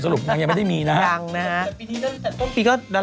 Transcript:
สรุปนางยังไม่ได้มีนะฮะ